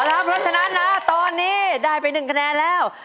เอ่อครับเพราะฉะนั้นนะตอนนี้ได้ไปหนึ่งคะแนนแล้ว